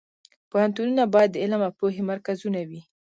پوهنتونونه باید د علم او پوهې مرکزونه وي